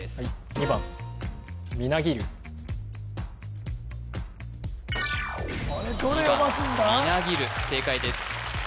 ２番みなぎる正解です